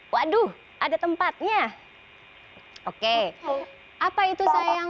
waduh ada tempatnya oke apa itu sayang